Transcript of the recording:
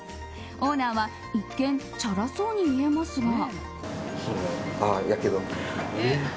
オーナーは一見チャラそうに見えますが。